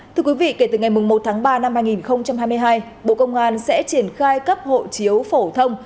thưa quý vị kể từ ngày một tháng ba năm hai nghìn hai mươi hai bộ công an sẽ triển khai cấp hộ chiếu phổ thông